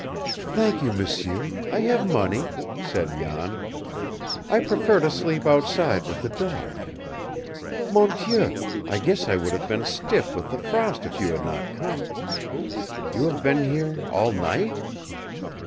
"Thank you, m'sieur I have money," said Jan. "I prefer to sleep outside with the dogs. Mon Dieu, I guess I would have been stiff with the frost if you had not come. You have been here all night?"